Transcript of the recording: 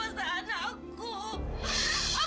bukan sama kamu